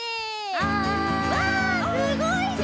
うわすごいね。